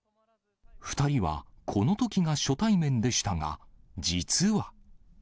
２人は、このときが初対面でしたが、実は。